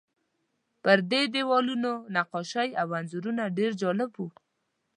پر دې دیوالونو نقاشۍ او انځورونه ډېر جالب وو.